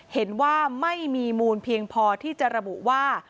เห็นว่าไม่มีมูลเพียงพอที่จะระบุว่า